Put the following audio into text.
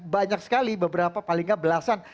banyak sekali paling tidak belasan